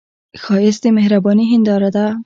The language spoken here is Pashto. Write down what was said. ښایست د مهرباني هنداره ده